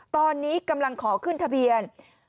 ตอนนี้กำลังขอขึ้นทะเบียน